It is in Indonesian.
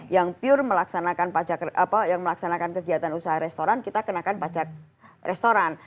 yang pure apa yang melaksanakan kegiatan usaha restoran kita kenakan pajak restoran